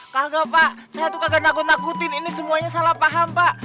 kagak pak saya tuh kagak takut nakutin ini semuanya salah paham pak